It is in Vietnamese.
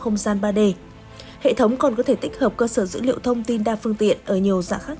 không gian ba d hệ thống còn có thể tích hợp cơ sở dữ liệu thông tin đa phương tiện ở nhiều dạng khác